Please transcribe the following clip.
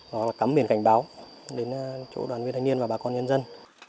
đó là cắm biển cảnh báo đến chỗ đoàn viên thanh niên và bà con nhân dân